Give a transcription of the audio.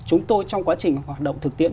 chúng tôi trong quá trình hoạt động thực tiễn